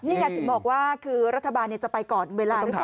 นี่ไงถึงบอกว่าคือรัฐบาลจะไปก่อนเวลาหรือเปล่า